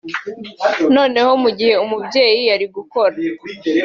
noneho mu gihe umubyeyi ari gukora